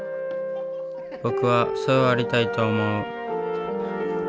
僕はそうありたいと思う。